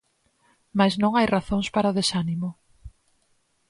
Mais non hai razóns para o desánimo.